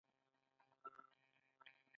د اسمان څکو ودانیو جوړول روان دي.